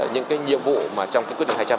những nhiệm vụ trong quyết định hai trăm linh